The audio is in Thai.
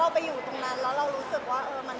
เป็นสไตล์ไหน